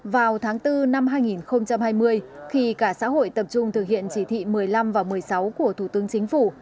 vào tháng bốn năm hai nghìn hai mươi khi cả xã hội tập trung thực hiện chỉ thị một mươi năm và một mươi sáu của thủ tướng chính phủ